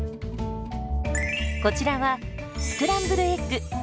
こちらはスクランブルエッグ。